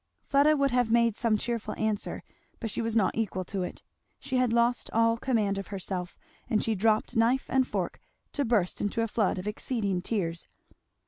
Fleda would have made some cheerful answer, but she was not equal to it; she had lost all command of herself, and she dropped knife and fork to burst into a flood of exceeding tears.